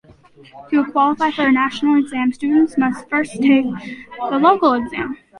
To qualify for the national exam, students must first take the local exam.